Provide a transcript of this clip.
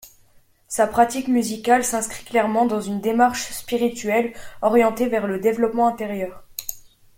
Sa pratique musicale s'inscrit clairement dans une démarche spirituelle orientée vers le développement intérieur.